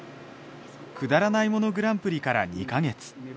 くだらないものグランプリから２カ月。